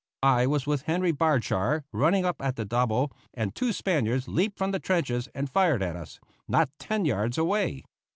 I was with Henry Bardshar, running up at the double, and two Spaniards leaped from the trenches and fired at us, not ten yards away.